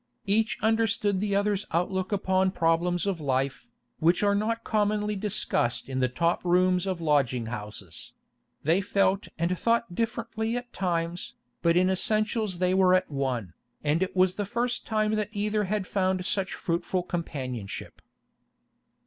Each understood the other's outlook upon problems of life, which are not commonly discussed in the top rooms of lodging houses; they felt and thought differently at times, but in essentials they were at one, and it was the first time that either had found such fruitful companionship.